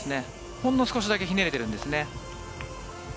ほんの少しだけひねれてるんですね。